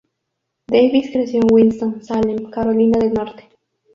Davis creció en Winston-Salem, Carolina del Norte.